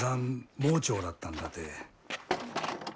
盲腸らったんらて。